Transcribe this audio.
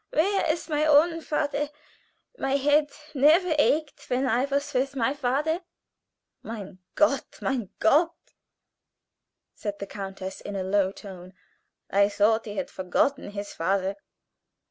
Where is my own father? My head never ached when I was with my father." "Mein Gott! mein Gott!" said the countess in a low tone. "I thought he had forgotten his father."